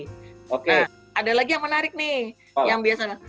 oke ada lagi yang menarik nih yang biasa